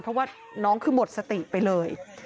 เพราะว่าน้องคือหมดสติไปเลย